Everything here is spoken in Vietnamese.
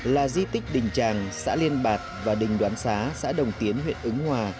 là di tích đình tràng xã liên bạc và đình đoán xá xã đồng tiến huyện ứng hòa